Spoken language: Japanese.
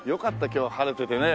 今日晴れててね。